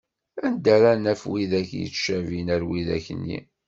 Anda ara naf widak yettcabin ar widak-nni?